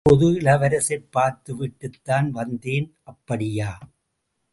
வரும்போது இளவரசைப் பார்த்து விட்டுத்தான் வந்தேன். அப்படியா?